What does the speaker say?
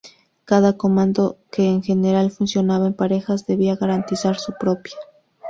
Cada comando, que en general funcionaban en parejas, debía garantizar su propia.